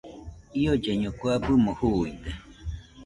Iollaiño kue abɨmo juuide.